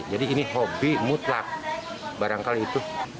jadi ini hobi mutlak barangkali itu